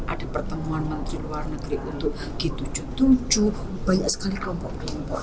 ada pertemuan menteri luar negeri untuk g tujuh puluh tujuh banyak sekali kelompok kelompok